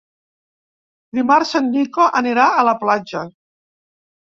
Dimarts en Nico anirà a la platja.